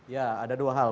ya ada dua hal